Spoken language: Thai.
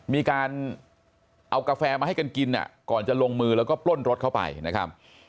มีการเอากาแฟมาให้กันกินก่อนจะลงมือแล้วก็ปล้นรถเข้าไปนะครับ